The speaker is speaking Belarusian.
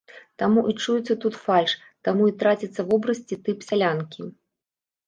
Таму і чуецца тут фальш, таму і траціцца вобраз ці тып сялянкі.